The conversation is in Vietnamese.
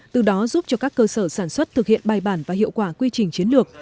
từ đó giúp cho các cơ sở sản xuất thực hiện bài bản và hiệu quả quy trình chiến lược